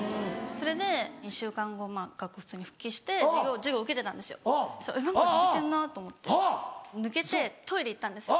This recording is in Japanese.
それで２週間後学校普通に復帰して授業受けてたんですよそしたら何かぬれてるなと思って抜けてトイレ行ったんですよ。